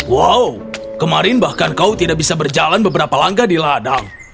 wow kemarin bahkan kau tidak bisa berjalan beberapa langkah di ladang